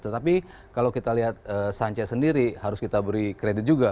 tetapi kalau kita lihat sanche sendiri harus kita beri kredit juga